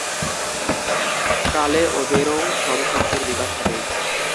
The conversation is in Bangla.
কালে ওদেরও সব শক্তির বিকাশ হবে।